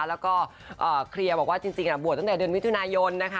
แล้วก็เคลียร์บอกว่าจริงบวชตั้งแต่เดือนมิถุนายนนะคะ